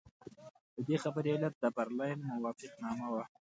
د دې خبرې علت د برلین موافقتنامه وه.